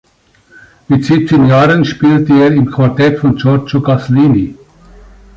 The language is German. Mit siebzehn Jahren spielte er im Quartett von Giorgio Gaslini.